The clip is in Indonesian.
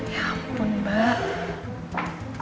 ya ampun mbak